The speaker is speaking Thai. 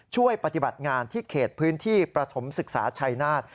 ช่วยปฏิบัติงานที่เขตพื้นที่ประถมศึกษาชัยนาฏ